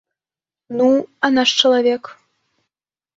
Ну, а наш чалавек?